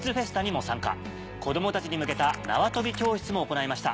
子供たちに向けた縄跳び教室も行いました。